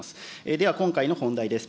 では今回の本題です。